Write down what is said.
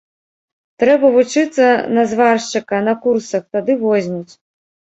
Трэба вучыцца на зваршчыка на курсах, тады возьмуць.